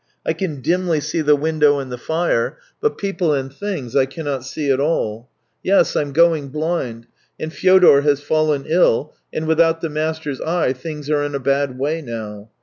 ... I can dimly see the window and the fire, but people and things I cannot see at all. Yes, I'm going blind, and Fyodor has fallen ill, and without the master's eye things are in a bad way now.